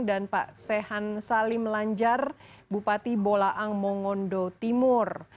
dan pak sehan salim lanjar bupati bolaang mongondo timur